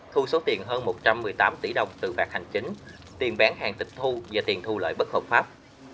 thu số tiền hơn một trăm một mươi tám tỷ đồng từ phạt hành chính tiền bán hàng tịch thu và tiền thu lợi bất hợp pháp